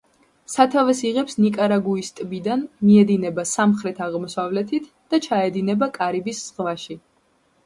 სათავეს იღებს ნიკარაგუის ტბიდან, მიედინება სამხრეთ-აღმოსავლეთით და ჩაედინება კარიბის ზღვაში.